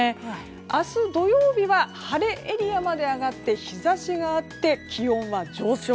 明日土曜日は晴れエリアまで上がって日差しがあって気温は上昇。